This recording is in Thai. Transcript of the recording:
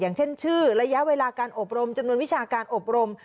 อย่างเช่นชื่อระยะเวลาการอบรมจำนวนวิชาการอบรม